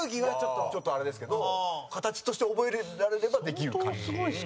豊本：ちょっとあれですけど形として覚えられればできる感じ。